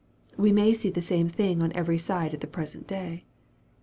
We may see the same thing on every side at the present day.